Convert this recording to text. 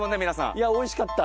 いやおいしかった。